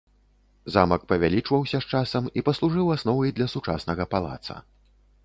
Замак павялічваўся з часам і паслужыў асновай для сучаснага палаца.